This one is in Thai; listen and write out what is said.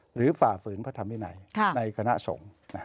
ฝ่าฝืนพระธรรมวินัยในคณะสงฆ์